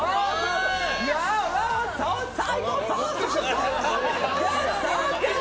最高！